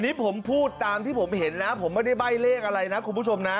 นี่ผมพูดตามที่ผมเห็นนะผมไม่ได้ใบ้เลขอะไรนะคุณผู้ชมนะ